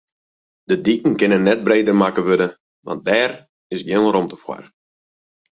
De diken kinne net breder makke wurde, want dêr is gjin rûmte foar.